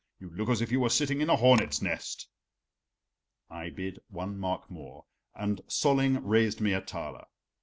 You look as if you were sitting in a hornet's nest." I bid one mark more, and Solling raised me a thaler.